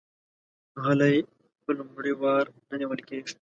غل په لومړي وار نه نیول کیږي